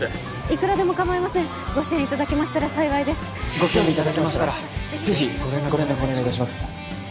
いくらでもかまいませんご支援いただけましたら幸いですご興味いただけましたらぜひご連絡をお願いいたします